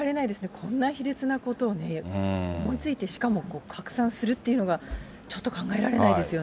こんな卑劣なことをね、思いついて、しかも拡散するっていうのが、ちょっと考えられないですよね。